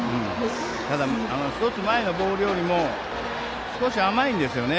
ただ１つ前のボールよりも少し甘いんですよね。